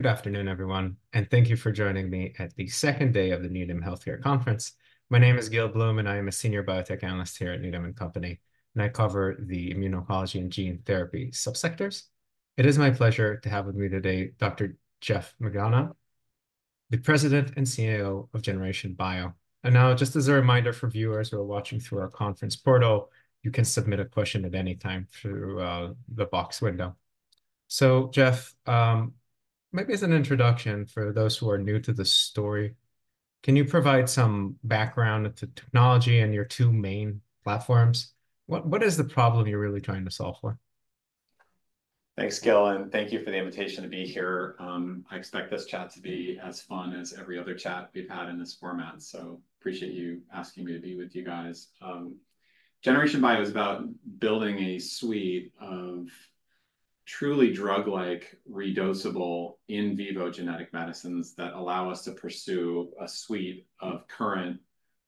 Good afternoon, everyone, and thank you for joining me at the second day of the Needham Healthcare Conference. My name is Gil Blum, and I am a senior biotech analyst here at Needham & Company, and I cover the immunology and gene therapy subsectors. It is my pleasure to have with me today Dr. Geoff McDonough, the President and CEO of Generation Bio. Now, just as a reminder for viewers who are watching through our conference portal, you can submit a question at any time through the box window. So Geoff, maybe as an introduction for those who are new to this story, can you provide some background into technology and your two main platforms? What is the problem you're really trying to solve for? Thanks, Gil, and thank you for the invitation to be here. I expect this chat to be as fun as every other chat we've had in this format, so appreciate you asking me to be with you guys. Generation Bio is about building a suite of truly drug-like, redosable, in vivo genetic medicines that allow us to pursue a suite of current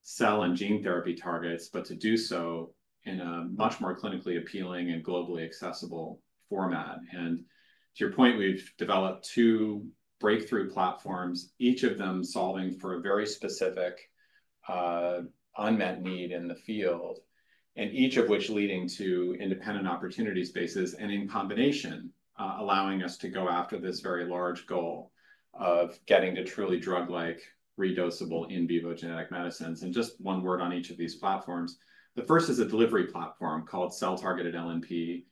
cell and gene therapy targets, but to do so in a much more clinically appealing and globally accessible format. To your point, we've developed two breakthrough platforms, each of them solving for a very specific unmet need in the field, and each of which leading to independent opportunity spaces, and in combination, allowing us to go after this very large goal of getting to truly drug-like, redosable, in vivo genetic medicines. Just one word on each of these platforms. The first is a delivery platform called cell-targeted LNP.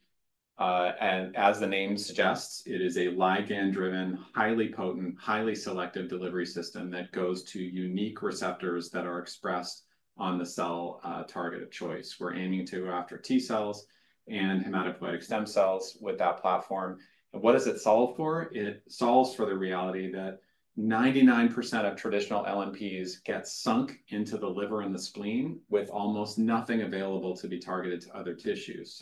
As the name suggests, it is a ligand-driven, highly potent, highly selective delivery system that goes to unique receptors that are expressed on the cell target of choice. We're aiming to go after T cells and hematopoietic stem cells with that platform. What does it solve for? It solves for the reality that 99% of traditional LNPs get sunk into the liver and the spleen, with almost nothing available to be targeted to other tissues.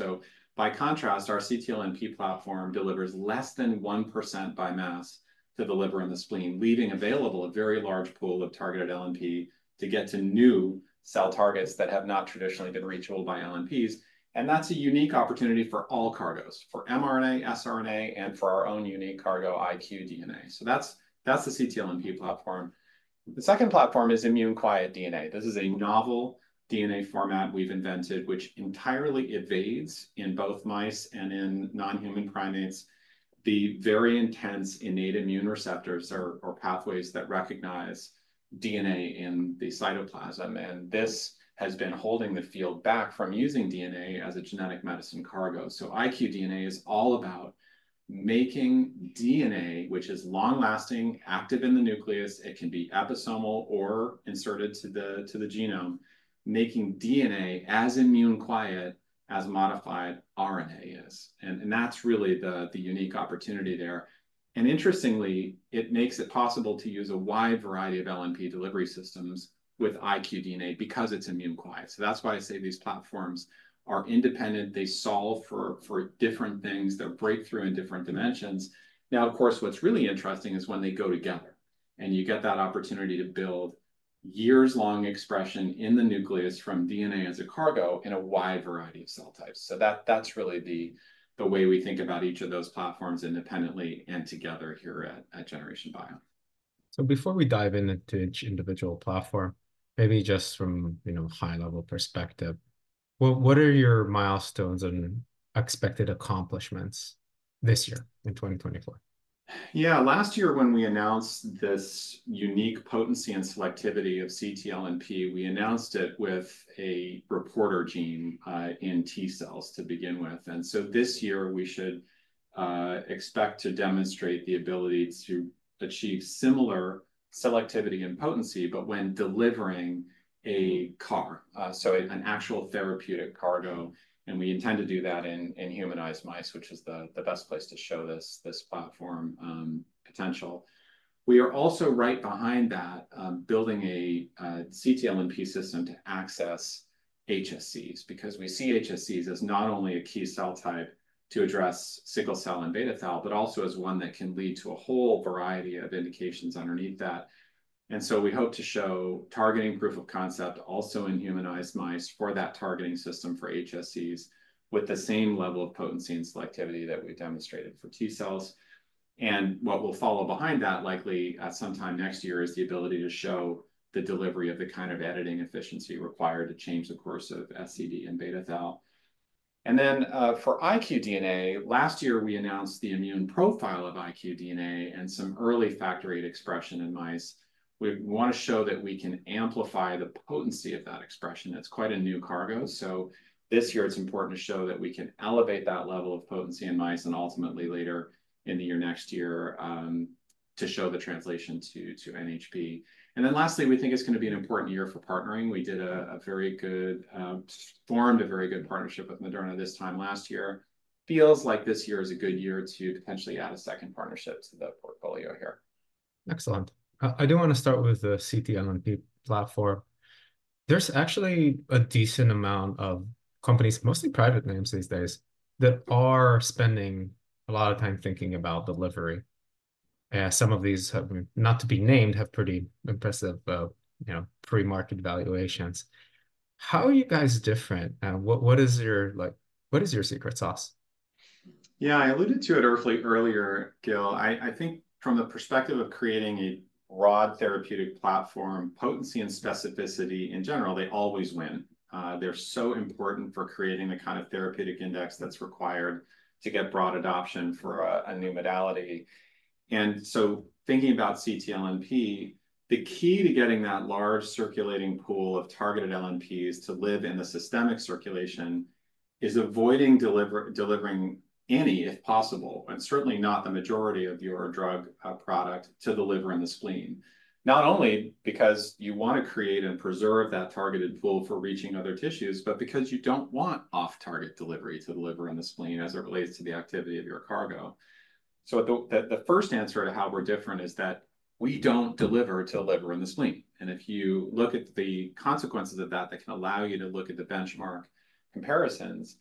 By contrast, our ctLNP platform delivers less than 1% by mass to the liver and the spleen, leaving available a very large pool of targeted LNP to get to new cell targets that have not traditionally been reachable by LNPs. That's a unique opportunity for all cargos, for mRNA, siRNA, and for our own unique cargo, iqDNA. So that's, that's the ctLNP platform. The second platform is immune-quiet DNA. This is a novel DNA format we've invented, which entirely evades, in both mice and in non-human primates, the very intense innate immune receptors or, or pathways that recognize DNA in the cytoplasm, and this has been holding the field back from using DNA as a genetic medicine cargo. So iqDNA is all about making DNA, which is long-lasting, active in the nucleus, it can be episomal or inserted to the, to the genome, making DNA as immune-quiet as modified RNA is, and, and that's really the, the unique opportunity there. And interestingly, it makes it possible to use a wide variety of LNP delivery systems with iqDNA because it's immune-quiet. So that's why I say these platforms are independent. They solve for, for different things. They're breakthrough in different dimensions. Now, of course, what's really interesting is when they go together, and you get that opportunity to build years-long expression in the nucleus from DNA as a cargo in a wide variety of cell types. So that's really the way we think about each of those platforms independently and together here at Generation Bio. Before we dive into each individual platform, maybe just from, you know, high-level perspective, what, what are your milestones and expected accomplishments this year, in 2024? Yeah. Last year, when we announced this unique potency and selectivity of ctLNP, we announced it with a reporter gene in T cells to begin with. And so this year, we should expect to demonstrate the ability to achieve similar selectivity and potency, but when delivering a CAR, so an actual therapeutic cargo, and we intend to do that in humanized mice, which is the best place to show this platform potential. We are also right behind that, building a ctLNP system to access HSCs, because we see HSCs as not only a key cell type to address sickle cell and beta thal, but also as one that can lead to a whole variety of indications underneath that. And so we hope to show targeting proof of concept also in humanized mice for that targeting system for HSCs, with the same level of potency and selectivity that we've demonstrated for T cells. And what will follow behind that, likely at sometime next year, is the ability to show the delivery of the kind of editing efficiency required to change the course of SCD and beta thal. And then, for iqDNA, last year we announced the immune profile of iq DNA and some early factory expression in mice. We wanna show that we can amplify the potency of that expression. It's quite a new cargo, so this year it's important to show that we can elevate that level of potency in mice and ultimately later in the year, next year, to show the translation to NHP. Then lastly, we think it's gonna be an important year for partnering. We formed a very good partnership with Moderna this time last year. Feels like this year is a good year to potentially add a second partnership to the portfolio here. Excellent. I do wanna start with the ctLNP platform. There's actually a decent amount of companies, mostly private names these days, that are spending a lot of time thinking about delivery. Some of these, not to be named, have pretty impressive, you know, pre-market valuations. How are you guys different? What, what is your, like, what is your secret sauce? Yeah, I alluded to it earlier, Gil. I, I think from the perspective of creating a broad therapeutic platform, potency and specificity, in general, they always win. They're so important for creating the kind of therapeutic index that's required to get broad adoption for a, a new modality. And so thinking about ctLNP, the key to getting that large circulating pool of targeted LNPs to live in the systemic circulation is avoiding delivering any, if possible, and certainly not the majority of your drug product, to the liver and the spleen. Not only because you want to create and preserve that targeted pool for reaching other tissues, but because you don't want off-target delivery to the liver and the spleen as it relates to the activity of your cargo. So the first answer to how we're different is that we don't deliver to the liver and the spleen. And if you look at the consequences of that, that can allow you to look at the benchmark comparisons.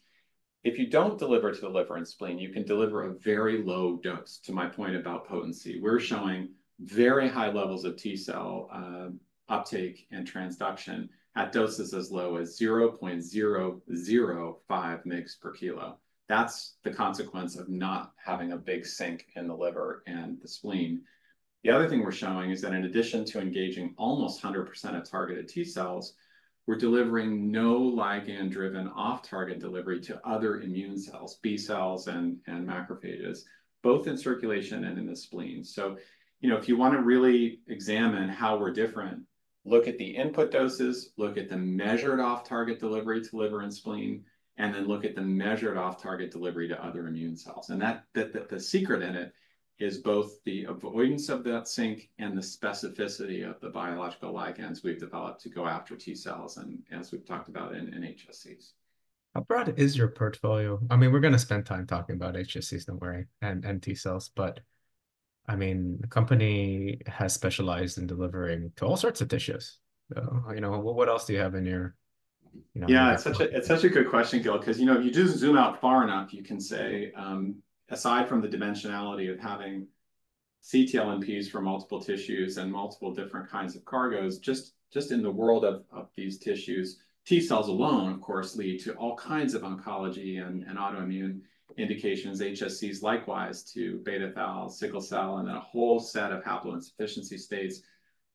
If you don't deliver to the liver and spleen, you can deliver a very low dose, to my point about potency. We're showing very high levels of T cell uptake and transduction at doses as low as 0.005 mgs per kg. That's the consequence of not having a big sink in the liver and the spleen. The other thing we're showing is that in addition to engaging almost 100% of targeted T cells, we're delivering no ligand-driven off-target delivery to other immune cells, B cells and macrophages, both in circulation and in the spleen. So, you know, if you want to really examine how we're different, look at the input doses, look at the measured off-target delivery to liver and spleen, and then look at the measured off-target delivery to other immune cells. And that, the secret in it is both the avoidance of that sink and the specificity of the biological ligands we've developed to go after T cells, and as we've talked about in HSCs. How broad is your portfolio? I mean, we're going to spend time talking about HSCs, don't worry, and T cells, but I mean, the company has specialized in delivering to all sorts of tissues. You know, what else do you have in your, you know. Yeah, it's such a, it's such a good question, Gil, because, you know, if you just zoom out far enough, you can say, aside from the dimensionality of having ctLNPs for multiple tissues and multiple different kinds of cargos, just, just in the world of, of these tissues, T cells alone, of course, lead to all kinds of oncology and, and autoimmune indications. HSCs, likewise, beta thal, sickle cell, and a whole set of haploinsufficiency states.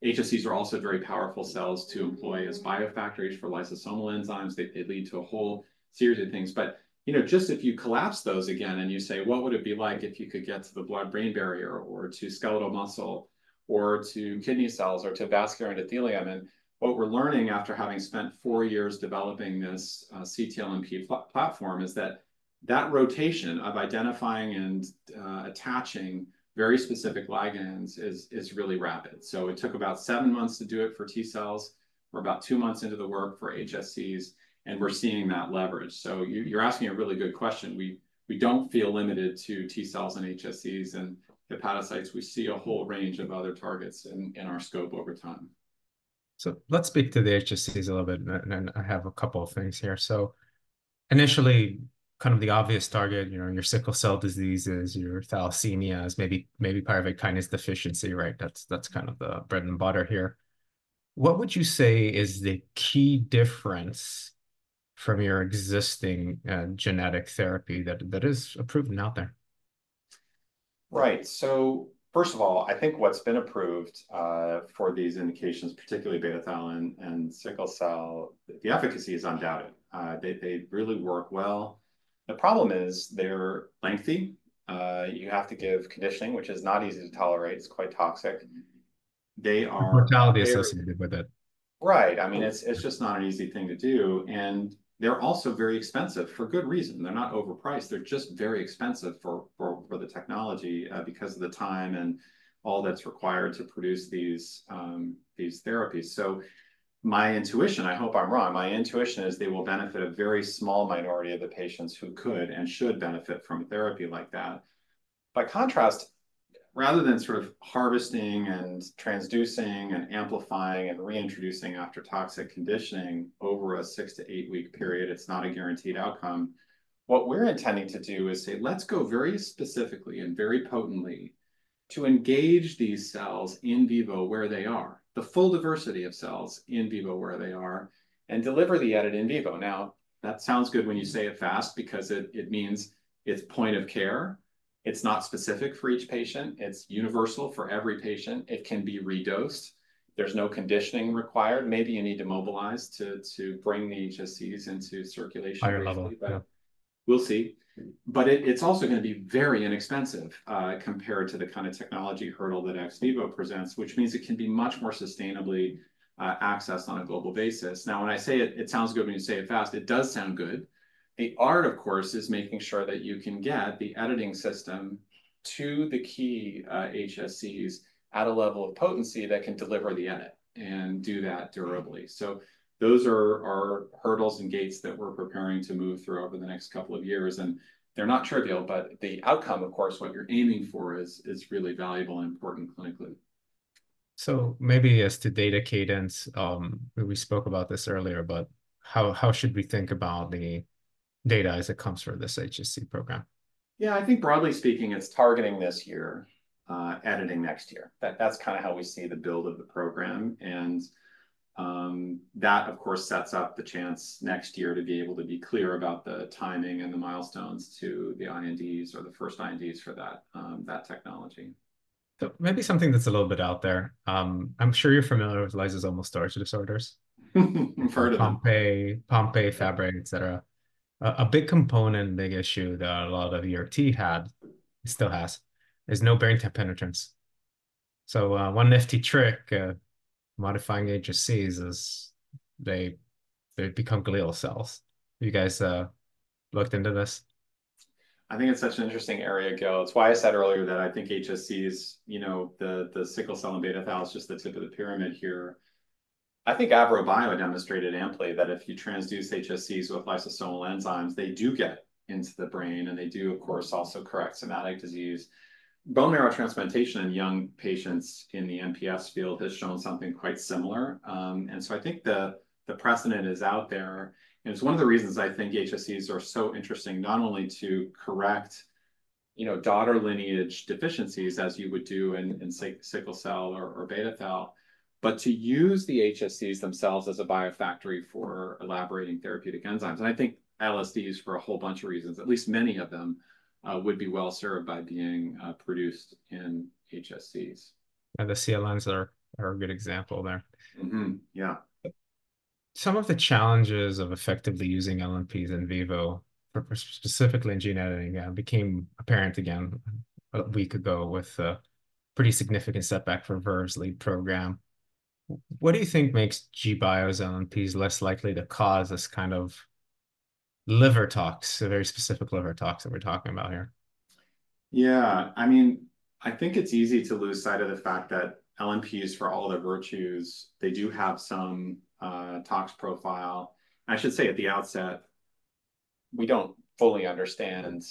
HSCs are also very powerful cells to employ as biofactories for lysosomal enzymes. They, they lead to a whole series of things. But, you know, just if you collapse those again and you say: What would it be like if you could get to the blood-brain barrier or to skeletal muscle or to kidney cells or to vascular endothelium? And what we're learning after having spent four years developing this ctLNP platform is that that rotation of identifying and attaching very specific ligands is really rapid. So it took about seven months to do it for T cells. We're about two months into the work for HSCs, and we're seeing that leverage. So you're asking a really good question. We don't feel limited to T cells and HSCs and hepatocytes. We see a whole range of other targets in our scope over time. So let's speak to the HSCs a little bit, and then I have a couple of things here. So initially, kind of the obvious target, you know, your sickle cell diseases, your thalassemias, maybe pyruvate kinase deficiency, right? That's kind of the bread and butter here. What would you say is the key difference from your existing genetic therapy that is approved and out there? Right. So first of all, I think what's been approved for these indications, particularly beta thal and sickle cell, the efficacy is undoubted. They really work well. The problem is they're lengthy. You have to give conditioning, which is not easy to tolerate. It's quite toxic. They are- Mortality associated with it. Right. I mean, it's just not an easy thing to do, and they're also very expensive, for good reason. They're not overpriced. They're just very expensive for the technology, because of the time and all that's required to produce these therapies. So my intuition, I hope I'm wrong, my intuition is they will benefit a very small minority of the patients who could and should benefit from a therapy like that. By contrast, rather than sort of harvesting and transducing and amplifying and reintroducing after toxic conditioning over a six to eight week period, it's not a guaranteed outcome, what we're intending to do is say, "Let's go very specifically and very potently to engage these cells in vivo where they are, the full diversity of cells in vivo where they are, and deliver the edit in vivo." Now, that sounds good when you say it fast because it, it means it's point of care. It's not specific for each patient; it's universal for every patient. It can be redosed. There's no conditioning required. Maybe you need to mobilize to, to bring the HSCs into circulation- Higher level, yeah. We'll see. But it, it's also going to be very inexpensive, compared to the kind of technology hurdle that ex vivo presents, which means it can be much more sustainably, accessed on a global basis. Now, when I say it, "It sounds good when you say it fast," it does sound good. The art, of course, is making sure that you can get the editing system to the key, HSCs at a level of potency that can deliver the edit and do that durably. So those are our hurdles and gates that we're preparing to move through over the next couple of years, and they're not trivial, but the outcome, of course, what you're aiming for, is really valuable and important clinically. So maybe as to data cadence, we spoke about this earlier, but how should we think about the data as it comes from this HSC program? Yeah, I think broadly speaking, it's targeting this year, editing next year. That's kind of how we see the build of the program, and that, of course, sets up the chance next year to be able to be clear about the timing and the milestones to the INDs or the first INDs for that technology. So maybe something that's a little bit out there. I'm sure you're familiar with lysosomal storage disorders? I've heard of them. Pompe, Pompe fabric, et cetera. A big component, big issue that a lot of ERT had, still has, is no brain penetrance. So, one nifty trick, modifying HSCs is they, they become glial cells. Have you guys, looked into this? I think it's such an interesting area, Gil. It's why I said earlier that I think HSC is, you know, the sickle cell and beta thal is just the tip of the pyramid here. I think AVROBIO demonstrated amply that if you transduce HSCs with lysosomal enzymes, they do get into the brain, and they do, of course, also correct somatic disease. Bone marrow transplantation in young patients in the MPS field has shown something quite similar. And so I think the precedent is out there, and it's one of the reasons I think HSCs are so interesting, not only to correct, you know, daughter lineage deficiencies as you would do in sickle cell or beta thal, but to use the HSCs themselves as a biofactory for elaborating therapeutic enzymes. I think LSDs, for a whole bunch of reasons, at least many of them, would be well served by being produced in HSCs. The CLNs are a good example there. Mm-hmm. Yeah. Some of the challenges of effectively using LNPs in vivo, for specifically in gene editing, became apparent again a week ago with a pretty significant setback for Verve's lead program. What do you think makes gBio's LNPs less likely to cause this kind of liver tox, a very specific liver tox that we're talking about here? Yeah, I mean, I think it's easy to lose sight of the fact that LNPs, for all their virtues, they do have some tox profile. I should say at the outset, we don't fully understand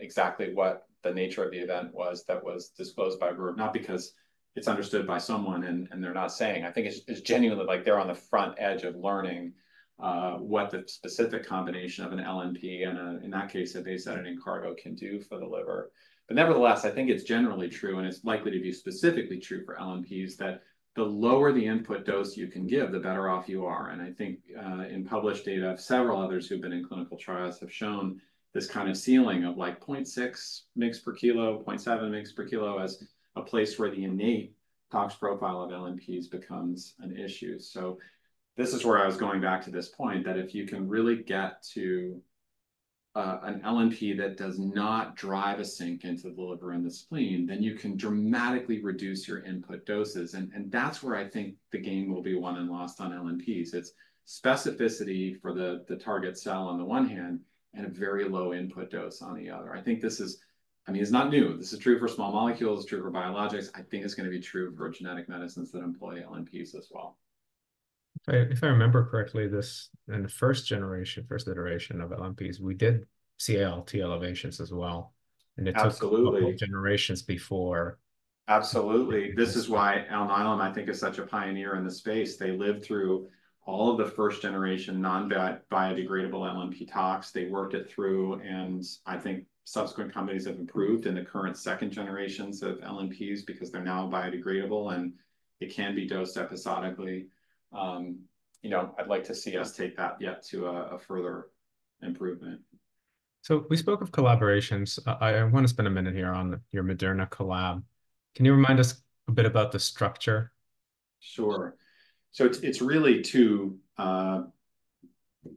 exactly what the nature of the event was that was disclosed by Verve, not because it's understood by someone and they're not saying. I think it's genuinely like they're on the front edge of learning what the specific combination of an LNP and, in that case, a base editing cargo can do for the liver. But nevertheless, I think it's generally true, and it's likely to be specifically true for LNPs, that the lower the input dose you can give, the better off you are. I think, in published data, several others who've been in clinical trials have shown this kind of ceiling of, like, 0.6 mgs per kilo, 0.7 mgs per kilo, as a place where the innate tox profile of LNPs becomes an issue. So this is where I was going back to this point, that if you can really get to, an LNP that does not drive a sink into the liver and the spleen, then you can dramatically reduce your input doses, and, and that's where I think the game will be won and lost on LNPs. It's specificity for the, the target cell on the one hand and a very low input dose on the other. I think this is—I mean, it's not new. This is true for small molecules, it's true for biologics. I think it's gonna be true for genetic medicines that employ LNPs as well. If I remember correctly, this in the first generation, first iteration of LNPs, we did see ALT elevations as well, and it took- Absolutely... generations before. Absolutely. This is why Alnylam, I think, is such a pioneer in this space. They lived through all of the first-generation, non-biodegradable LNP tox. They worked it through, and I think subsequent companies have improved in the current second generations of LNPs because they're now biodegradable, and they can be dosed episodically. You know, I'd like to see us take that yet to a further improvement. We spoke of collaborations. I wanna spend a minute here on your Moderna collab. Can you remind us a bit about the structure? Sure. So it's, it's really two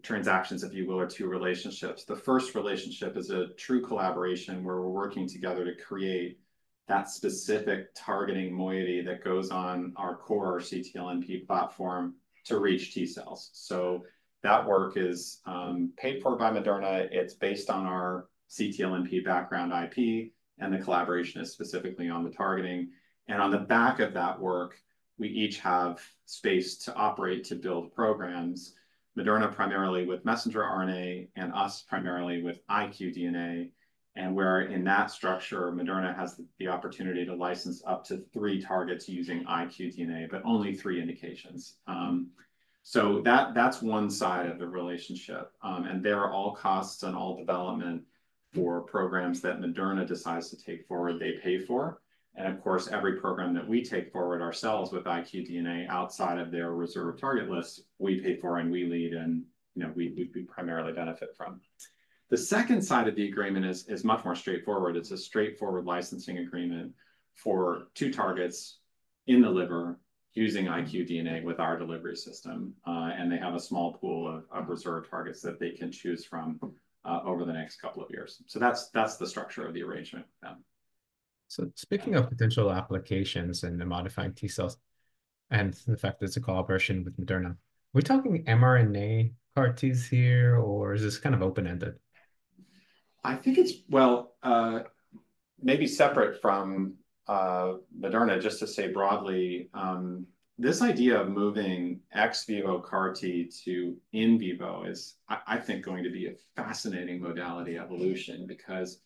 transactions, if you will, or two relationships. The first relationship is a true collaboration, where we're working together to create that specific targeting moiety that goes on our core ctLNP platform to reach T-cells. So that work is paid for by Moderna. It's based on our ctLNP background IP, and the collaboration is specifically on the targeting. And on the back of that work, we each have space to operate, to build programs, Moderna primarily with messenger RNA and us primarily with iq DNA. And where in that structure, Moderna has the opportunity to license up to three targets using iqDNA, but only three indications. So that, that's one side of the relationship. They are all costs and all development for programs that Moderna decides to take forward, they pay for, and of course, every program that we take forward ourselves with iqDNA outside of their reserved target list, we pay for, and we lead, and, you know, we primarily benefit from. The second side of the agreement is much more straightforward. It's a straightforward licensing agreement for two targets in the liver using iqDNA with our delivery system, and they have a small pool of reserved targets that they can choose from over the next couple of years. So that's the structure of the arrangement. Yeah. Speaking of potential applications and the modifying T-cells and the fact there's a collaboration with Moderna, we're talking mRNA CAR-Ts here, or is this kind of open-ended? I think it's... Well, maybe separate from Moderna, just to say broadly, this idea of moving ex vivo CAR-T to in vivo is, I think, going to be a fascinating modality evolution because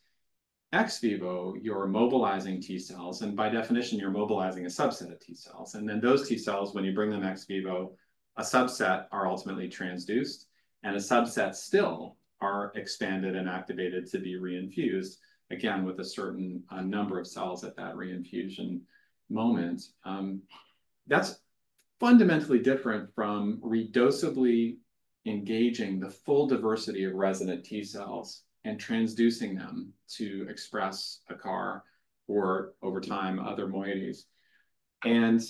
ex vivo, you're mobilizing T cells, and by definition, you're mobilizing a subset of T cells. And then those T cells, when you bring them ex vivo, a subset are ultimately transduced, and a subset still are expanded and activated to be reinfused, again, with a certain number of cells at that reinfusion moment. That's fundamentally different from redosably engaging the full diversity of resident T cells and transducing them to express a CAR or, over time, other moieties. And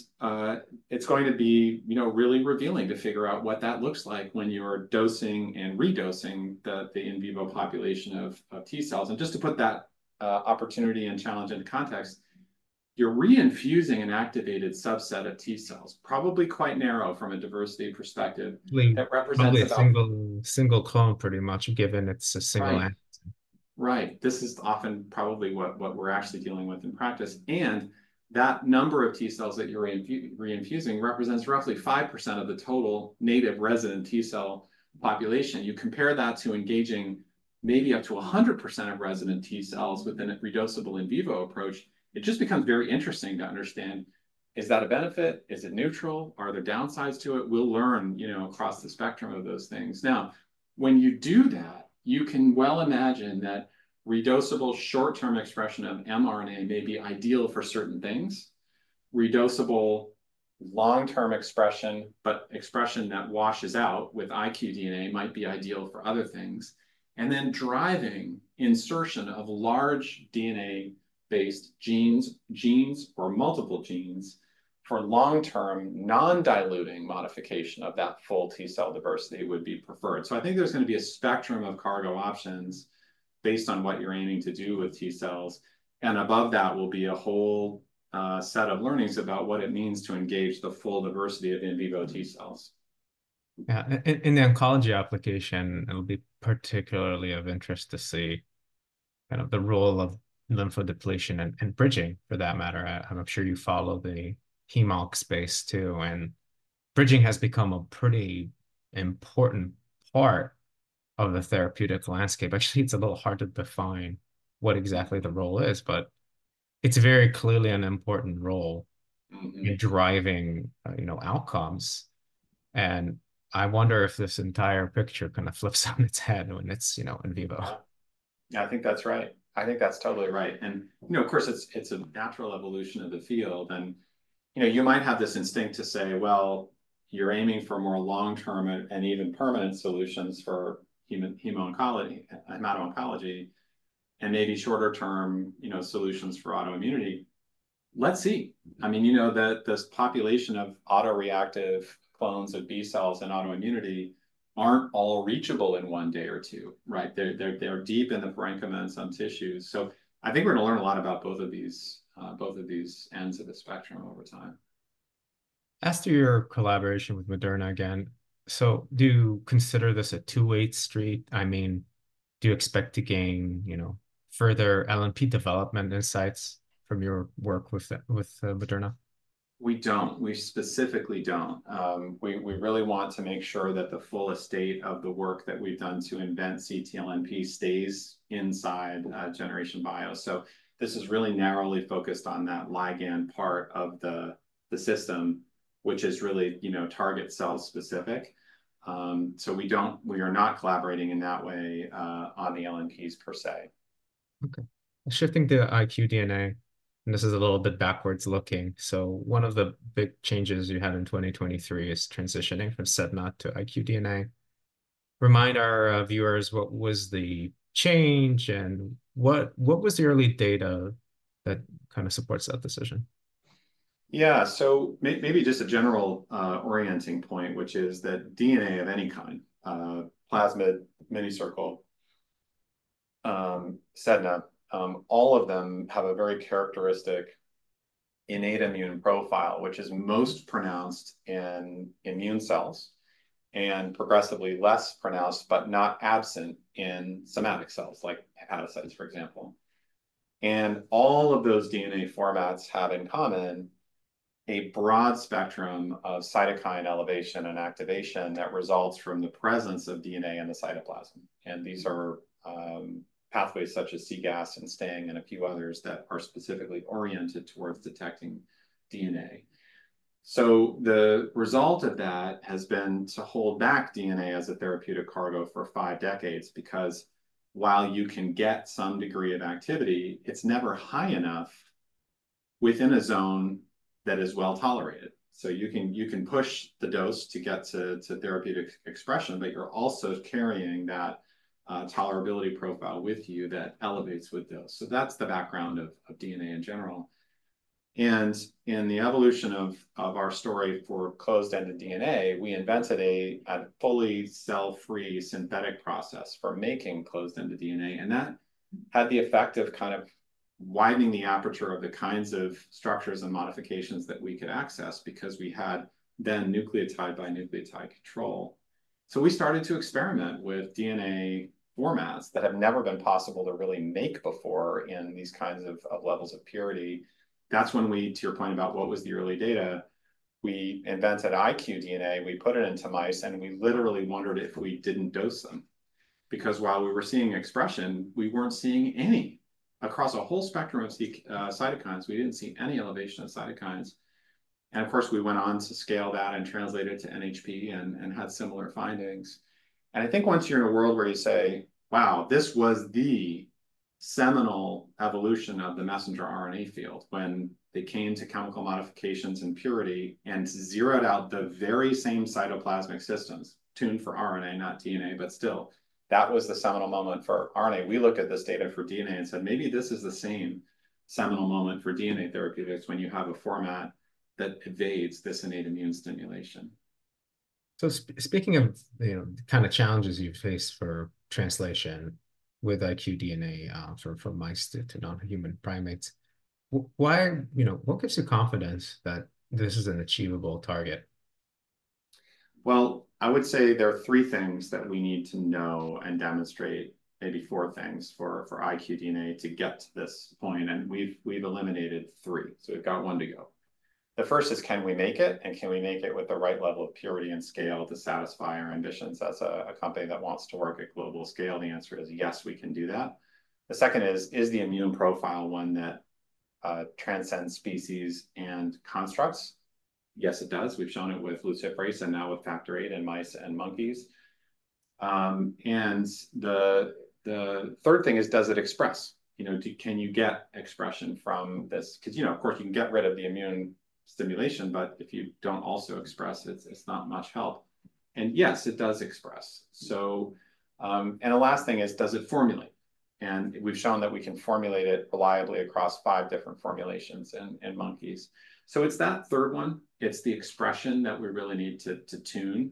it's going to be, you know, really revealing to figure out what that looks like when you're dosing and redosing the in vivo population of T cells. Just to put that opportunity and challenge into context, you're reinfusing an activated subset of T cells, probably quite narrow from a diversity perspective that represents about- Probably a single, single clone, pretty much, given it's a single action. Right. Right. This is often probably what we're actually dealing with in practice. That number of T cells that you're reinfusing represents roughly 5% of the total native resident T cell population. You compare that to engaging maybe up to 100% of resident T cells within a redosable in vivo approach. It just becomes very interesting to understand: is that a benefit? Is it neutral? Are there downsides to it? We'll learn, you know, across the spectrum of those things. Now, when you do that, you can well imagine that redosable short-term expression of mRNA may be ideal for certain things. Redosable long-term expression, but expression that washes out with iqDNA might be ideal for other things. And then driving insertion of large DNA-based genes or multiple genes, for long-term, non-diluting modification of that full T cell diversity would be preferred. I think there's gonna be a spectrum of cargo options based on what you're aiming to do with T cells, and above that will be a whole set of learnings about what it means to engage the full diversity of in vivo T cells. Yeah. In the oncology application, it'll be particularly of interest to see kind of the role of lymphodepletion and bridging, for that matter. I'm sure you follow the hemonc space, too, and bridging has become a pretty important part of the therapeutic landscape. Actually, it's a little hard to define what exactly the role is, but it's very clearly an important role- Mm-hmm... in driving, you know, outcomes. And I wonder if this entire picture kind of flips on its head when it's, you know, in vivo. Yeah, I think that's right. I think that's totally right. And, you know, of course, it's a natural evolution of the field. And, you know, you might have this instinct to say, well, you're aiming for more long-term and even permanent solutions for hem-oncology and autoimmunity, and maybe shorter-term, you know, solutions for autoimmunity. Let's see. I mean, you know, this population of autoreactive clones of B cells and autoimmunity aren't all reachable in one day or two, right? They're deep in the parenchyma and some tissues. So I think we're gonna learn a lot about both of these, both of these ends of the spectrum over time. As to your collaboration with Moderna again, so do you consider this a two-way street? I mean, do you expect to gain, you know, further LNP development insights from your work with Moderna? We don't. We specifically don't. We really want to make sure that the full estate of the work that we've done to invent ctLNP stays inside Generation Bio. So this is really narrowly focused on that ligand part of the system, which is really, you know, target cell specific. So we don't. We are not collaborating in that way on the LNPs per se. Okay. Shifting to iqDNA, and this is a little bit backwards-looking, so one of the big changes you had in 2023 is transitioning from ceDNA to iqDNA. Remind our viewers, what was the change, and what, what was the early data that kind of supports that decision? Yeah. So maybe just a general, orienting point, which is that DNA of any kind, plasmid, minicircle, siRNA, all of them have a very characteristic innate immune profile, which is most pronounced in immune cells and progressively less pronounced, but not absent in somatic cells, like adipocytes, for example. And all of those DNA formats have in common a broad spectrum of cytokine elevation and activation that results from the presence of DNA in the cytoplasm. And these are pathways such as cGAS and STING, and a few others that are specifically oriented towards detecting DNA. So the result of that has been to hold back DNA as a therapeutic cargo for five decades, because while you can get some degree of activity, it's never high enough within a zone that is well-tolerated. So you can, you can push the dose to get to, to therapeutic expression, but you're also carrying that, tolerability profile with you that elevates with dose. So that's the background of DNA in general. And in the evolution of our story for closed-ended DNA, we invented a fully cell-free synthetic process for making closed-ended DNA, and that had the effect of kind of widening the aperture of the kinds of structures and modifications that we could access because we had then nucleotide-by-nucleotide control. So we started to experiment with DNA formats that have never been possible to really make before in these kinds of levels of purity. That's when we, to your point about what was the early data—we invented iqDNA, we put it into mice, and we literally wondered if we didn't dose them. Because while we were seeing expression, we weren't seeing any. Across a whole spectrum of cytokines, we didn't see any elevation of cytokines, and of course, we went on to scale that and translate it to NHP and had similar findings. And I think once you're in a world where you say, "Wow, this was the seminal evolution of the messenger RNA field," when they came to chemical modifications and purity and zeroed out the very same cytoplasmic systems, tuned for RNA, not DNA, but still, that was the seminal moment for RNA. We looked at this data for DNA and said, "Maybe this is the same seminal moment for DNA therapeutics, when you have a format that evades this innate immune stimulation. So speaking of, you know, the kind of challenges you face for translation with iqDNA from mice to non-human primates, why you know, what gives you confidence that this is an achievable target? Well, I would say there are three things that we need to know and demonstrate, maybe four things, for iqDNA to get to this point, and we've eliminated three, so we've got one to go. The first is, can we make it, and can we make it with the right level of purity and scale to satisfy our ambitions? As a company that wants to work at global scale, the answer is: yes, we can do that. The second is: is the immune profile one that transcends species and constructs? Yes, it does. We've shown it with Luciferase and now with factor eight in mice and monkeys. And the third thing is: does it express? You know, can you get expression from this? 'Cause, you know, of course, you can get rid of the immune stimulation, but if you don't also express, it's not much help. Yes, it does express. So, the last thing is: does it formulate? And we've shown that we can formulate it reliably across five different formulations in monkeys. So it's that third one, it's the expression that we really need to tune,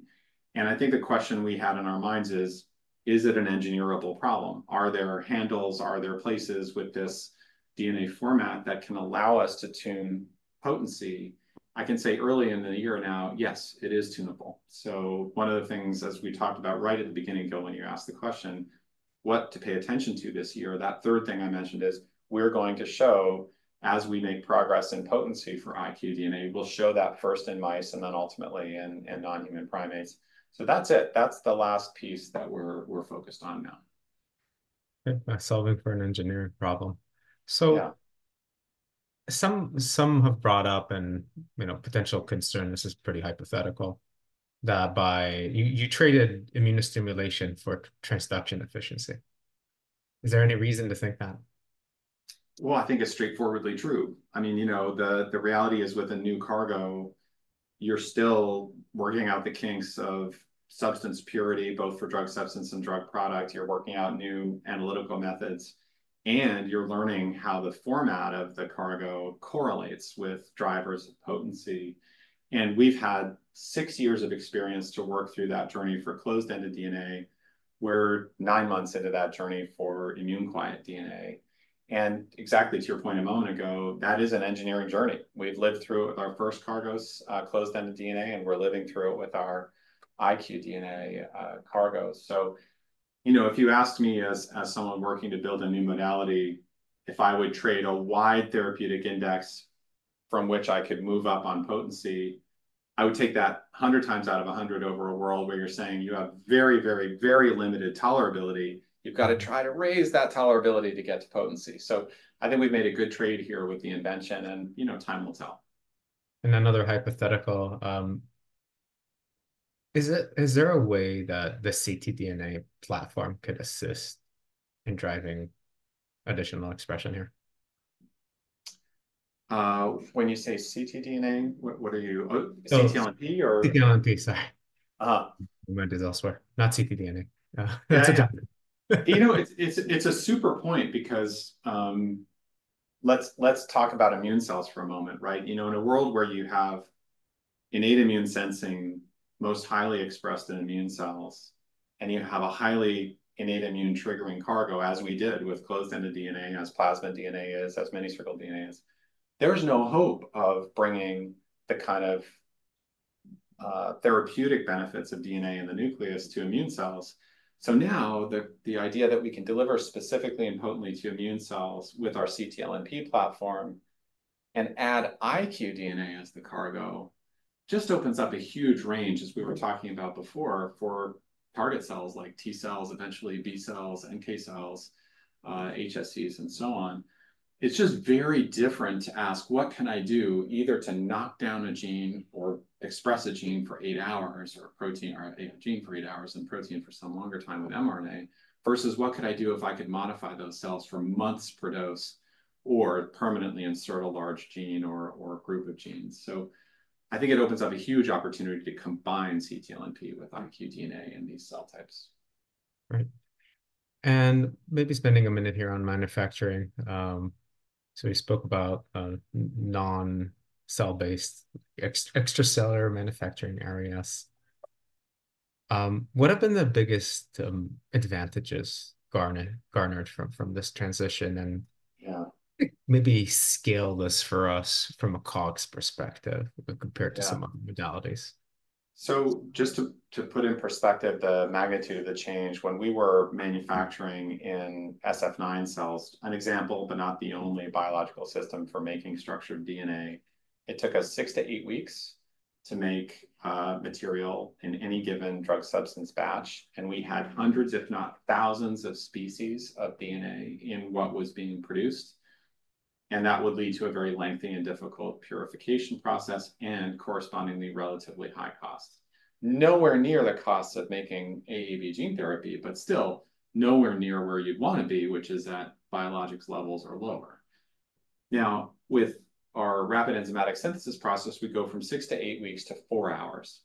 and I think the question we had on our minds is: is it an engineer-able problem? Are there handles, are there places with this DNA format that can allow us to tune potency? I can say early in the year now, yes, it is tunable. So one of the things, as we talked about right at the beginning, Gil, when you asked the question, what to pay attention to this year, that third thing I mentioned is, we're going to show, as we make progress in potency for iqDNA, we'll show that first in mice and then ultimately in non-human primates. So that's it. That's the last piece that we're focused on now. Okay, by solving for an engineering problem. Yeah. So some have brought up a, you know, potential concern, this is pretty hypothetical, that by... you traded immune stimulation for transduction efficiency. Is there any reason to think that? Well, I think it's straightforwardly true. I mean, you know, the reality is, with a new cargo, you're still working out the kinks of substance purity, both for drug substance and drug product. You're working out new analytical methods, and you're learning how the format of the cargo correlates with drivers of potency. And we've had six years of experience to work through that journey for closed-ended DNA. We're nine months into that journey for immune-quiet DNA. And exactly to your point a moment ago, that is an engineering journey. We've lived through it with our first cargoes, closed-ended DNA, and we're living through it with our iqDNA cargoes. So, you know, if you asked me as someone working to build a new modality, if I would trade a wide therapeutic index from which I could move up on potency, I would take that 100 times out of 100 over a world where you're saying you have very, very, very limited tolerability. You've got to try to raise that tolerability to get to potency. So I think we've made a good trade here with the invention, and, you know, time will tell. Another hypothetical, is there a way that the ctLNP platform could assist in driving additional expression here? When you say ctLNP, what are you, ctLNP, or? ctLNP, sorry. Ah. My mind is elsewhere. Not ctDNA. That's a different- You know, it's a super point because, let's talk about immune cells for a moment, right? You know, in a world where you have innate immune sensing, most highly expressed in immune cells, and you have a highly innate immune-triggering cargo, as we did with closed-ended DNA, as plasmid DNA is, as minicircle DNA is, there's no hope of bringing the kind of therapeutic benefits of DNA in the nucleus to immune cells. So now, the idea that we can deliver specifically and potently to immune cells with our ctLNP platform and add iqDNA as the cargo, just opens up a huge range, as we were talking about before, for target cells like T cells, eventually B cells, NK cells, HSCs, and so on. It's just very different to ask, what can I do either to knock down a gene or express a gene for eight hours, or a protein or a gene for eight hours and protein for some longer time with mRNA, versus what could I do if I could modify those cells for months per dose, or permanently insert a large gene or a group of genes? So I think it opens up a huge opportunity to combine ctLNP with iqDNA in these cell types. Right. And maybe spending a minute here on manufacturing. So you spoke about non-cell-based extracellular manufacturing areas. What have been the biggest advantages garnered from this transition? And- Yeah ... maybe scale this for us from a COGS perspective, compared to- Yeah... some other modalities.... So just to put in perspective the magnitude of the change, when we were manufacturing in Sf9 cells, an example, but not the only biological system for making structured DNA, it took us six to eight weeks to make material in any given drug substance batch, and we had hundreds, if not thousands, of species of DNA in what was being produced, and that would lead to a very lengthy and difficult purification process and correspondingly relatively high costs. Nowhere near the cost of making AAV gene therapy, but still nowhere near where you'd want to be, which is at biologics levels or lower. Now, with our rapid enzymatic synthesis process, we go from six to eight weeks to four hours.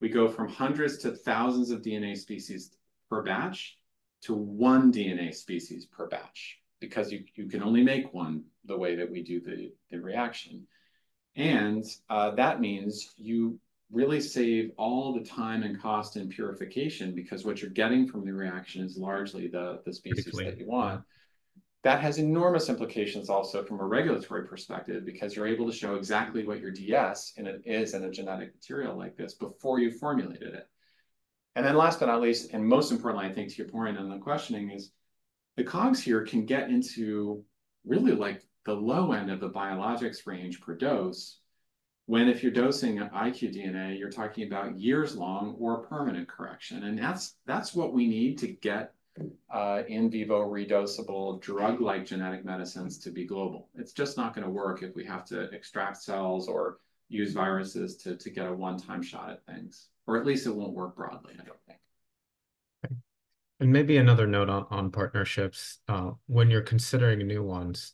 We go from hundreds to thousands of DNA species per batch to one DNA species per batch, because you can only make one the way that we do the reaction. And that means you really save all the time and cost in purification because what you're getting from the reaction is largely the species- Exactly that you want. That has enormous implications also from a regulatory perspective, because you're able to show exactly what your DS is in a genetic material like this before you've formulated it. And then last but not least, and most importantly, I think, to your point in the questioning, is the COGS here can get into really, like, the low end of the biologics range per dose, when if you're dosing iqDNA, you're talking about years-long or permanent correction, and that's what we need to get in vivo redosable drug-like genetic medicines to be global. It's just not gonna work if we have to extract cells or use viruses to get a one-time shot at things, or at least it won't work broadly, I don't think. Okay. And maybe another note on partnerships. When you're considering new ones,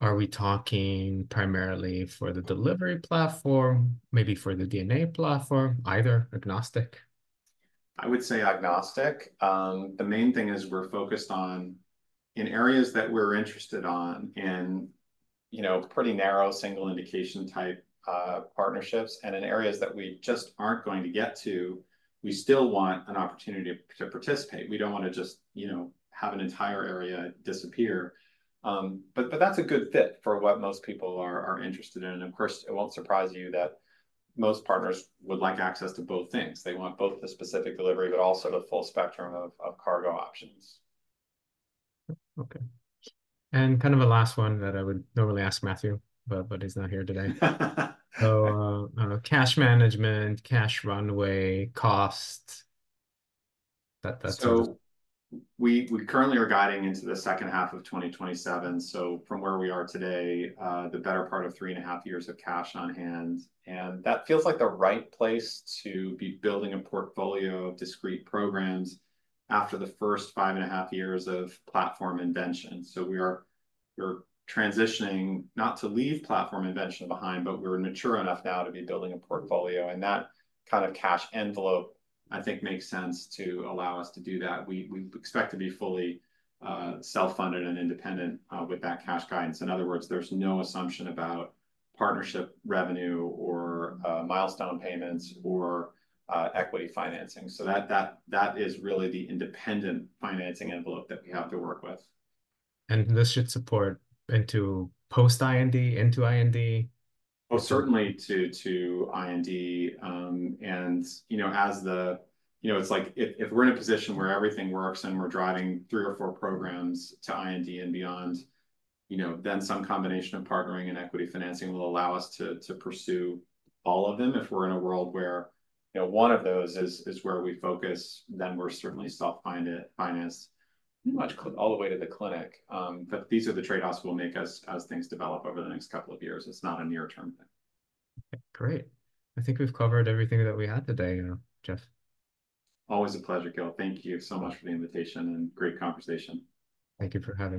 are we talking primarily for the delivery platform, maybe for the DNA platform, either, agnostic? I would say agnostic. The main thing is we're focused on, in areas that we're interested on, in, you know, pretty narrow, single-indication-type, partnerships, and in areas that we just aren't going to get to, we still want an opportunity to participate. We don't want to just, you know, have an entire area disappear. But that's a good fit for what most people are interested in, and of course, it won't surprise you that most partners would like access to both things. They want both the specific delivery, but also the full spectrum of cargo options. Okay. And kind of a last one that I would normally ask Matthew, but he's not here today. So, I don't know, cash management, cash runway, cost, that's- So we currently are guiding into the second half of 2027, so from where we are today, the better part of 3.5 years of cash on hand, and that feels like the right place to be building a portfolio of discrete programs after the first 5.5 years of platform invention. So we are - we're transitioning not to leave platform invention behind, but we're mature enough now to be building a portfolio, and that kind of cash envelope, I think, makes sense to allow us to do that. We expect to be fully self-funded and independent with that cash guidance. In other words, there's no assumption about partnership revenue or milestone payments or equity financing. So that is really the independent financing envelope that we have to work with. This should support into post-IND, into IND? Oh, certainly to IND, and you know, it's like if we're in a position where everything works and we're driving three or four programs to IND and beyond, you know, then some combination of partnering and equity financing will allow us to pursue all of them. If we're in a world where, you know, one of those is where we focus, then we're certainly self-finance, much closer all the way to the clinic. But these are the trade-offs we'll make as things develop over the next couple of years. It's not a near-term thing. Great. I think we've covered everything that we had today, Geoff. Always a pleasure, Gil. Thank you so much for the invitation, and great conversation. Thank you for having me.